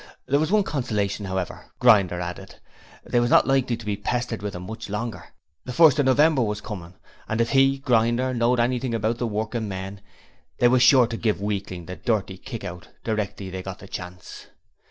There was one consolation, however, Grinder added, they was not likely to be pestered with 'im much longer; the first of November was coming and if he Grinder knowed anything of working men they was sure to give Weakling the dirty kick out directly they got the chance.